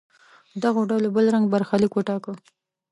دغو ډلو بل رنګه برخلیک وټاکه.